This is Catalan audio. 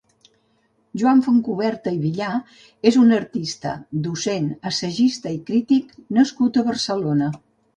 Joan Fontcuberta i Villà és un artista, docent, assagista i crític nascut a Barcelona.